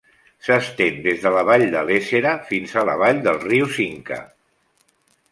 S'estén des de la vall de l'Éssera fins a la vall del riu Cinca.